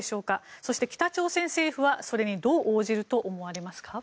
そして、北朝鮮政府はそれにどう応じると思われますか。